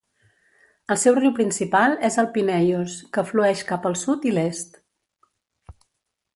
El seu riu principal és el Pineios, que flueix cap al sud i l'est.